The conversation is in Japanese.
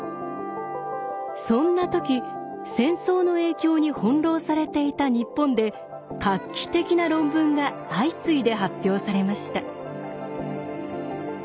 そんなとき戦争の影響に翻弄されていた日本で画期的な論文が相次いで発表されました。